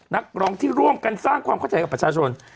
นักร้องที่ร่วมกันสร้างความเข้าใจกับประชาชน